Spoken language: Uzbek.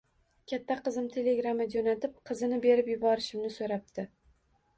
Katta qizim telegramma jo`natib, qizini berib yuborishimni so`rabdi